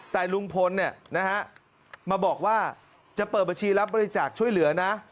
แต่ลุงพลมาบอกว่าจะเปิดบัญชีรับบริจาคช่วยเหลือนะ